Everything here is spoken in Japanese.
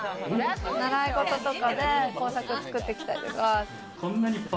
習い事とかで工作作ってきたりとか。